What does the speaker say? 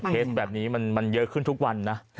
เคสแบบนี้มันเยอะขึ้นทุกวันนะ